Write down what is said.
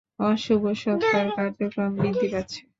অশুভ স্বত্বার কার্যক্রম বৃদ্ধি পাচ্ছে।